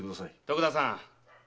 徳田さん。